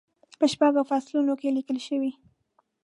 په شپږو فصلونو کې لیکل شوې.